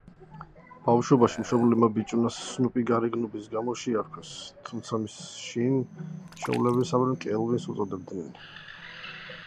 ბავშვობაში მშობლებმა ბიჭუნას „სნუპი“ გარეგნობის გამო შეარქვეს, თუმცა შინ ჩვეულებისამებრ კელვინს უწოდებდნენ.